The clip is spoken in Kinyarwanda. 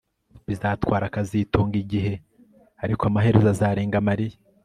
Bizatwara kazitunga igihe ariko amaherezo azarenga Mariya